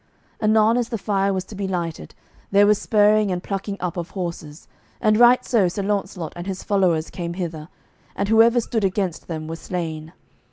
Anon as the fire was to be lighted, there was spurring and plucking up of horses, and right so Sir Launcelot and his followers came hither, and whoever stood against them was slain.